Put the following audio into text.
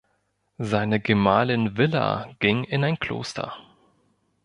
Seine Gemahlin Willa ging in ein Kloster.